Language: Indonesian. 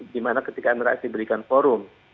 dimana ketika amin rais diberikan forum